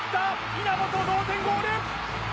「稲本同点ゴール」